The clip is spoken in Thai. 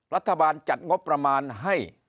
รัฐบาลจัดงบประมาณให้